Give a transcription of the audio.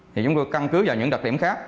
thì chúng tôi căn cứ vào những đặc điểm khác